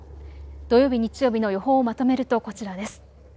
土曜日、日曜日の予報をまとめるとこちらです。